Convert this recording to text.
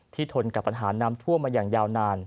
ทนกับปัญหาน้ำท่วมมาอย่างยาวนาน